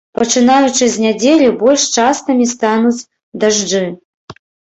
Пачынаючы з нядзелі больш частымі стануць дажджы.